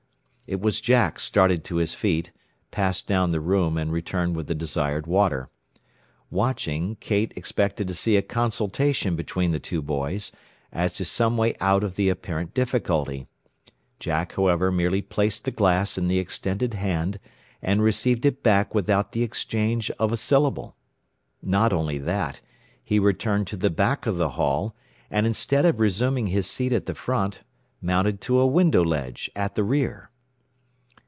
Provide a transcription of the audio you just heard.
It was Jack started to his feet, passed down the room, and returned with the desired water. Watching, Kate expected to see a consultation between the two boys, as to some way out of the apparent difficulty. Jack, however, merely placed the glass in the extended hand, and received it back without the exchange of a syllable. Not only that, he returned to the back of the hall, and instead of resuming his seat at the front, mounted to a window ledge at the rear.